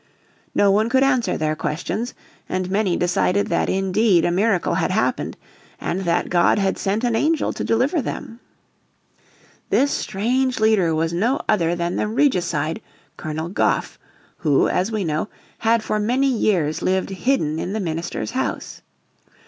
No one could answer their questions, and many decided that indeed a miracle had happened, and that God had sent an angel to deliver them. This strange leader was no other than the regicide, Colonel Goffe, who, as we know, had for many years lived hidden in the minister's house.